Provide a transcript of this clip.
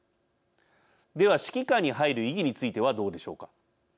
では指揮下に入る意義についてはどうでしょうか。